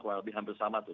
kalau lebih hampir sama tuh